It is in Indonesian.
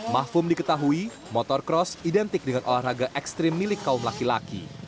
mahfum diketahui motorcross identik dengan olahraga ekstrim milik kaum laki laki